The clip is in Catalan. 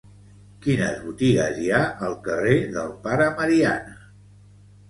Quines botigues hi ha al carrer del Pare Mariana?